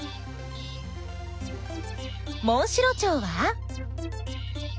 モンシロチョウは？